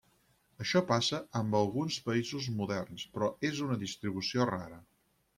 Això passa amb alguns peixos moderns però és una distribució rara.